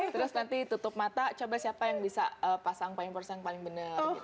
terus nanti tutup mata coba siapa yang bisa pasang pampersnya yang paling benar gitu